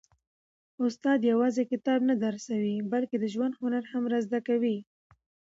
استاد یوازي کتاب نه درسوي، بلکي د ژوند هنر هم را زده کوي.